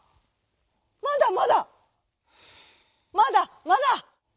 「まだまだ。まだまだ」。